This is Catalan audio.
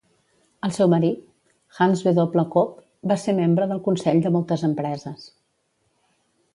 El seu marit, Hans W. Koop va ser membre del consell de moltes empreses.